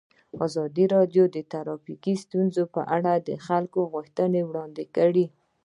ازادي راډیو د ټرافیکي ستونزې لپاره د خلکو غوښتنې وړاندې کړي.